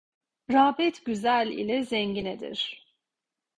Rağbet güzel ile zenginedir.